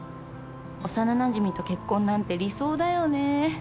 幼なじみと結婚なんて理想だよね